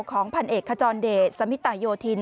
ของพันเอกขจรเดชสมิตาโยธิน